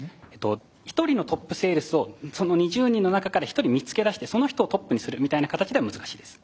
１人のトップセールスをその２０人の中から１人見つけだしてその人をトップにするみたいな形では難しいです。